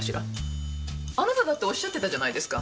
あなただっておっしゃってたじゃないですか。